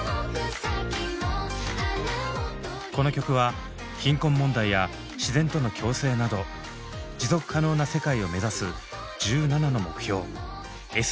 この曲は貧困問題や自然との共生など持続可能な世界を目指す１７の目標「ＳＤＧｓ」をテーマに作られました。